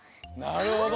なるほど。